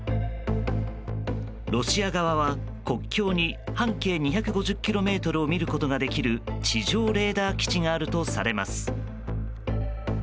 ロシア側は国境に半径２５０ｋｍを見ることができる地上レーダー基地があるとされます。